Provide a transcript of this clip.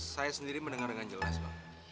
saya sendiri mendengar dengan jelas bang